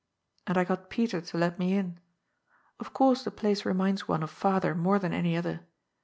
And I got Peter to let me in. Of course the place reminds one of father more than any other.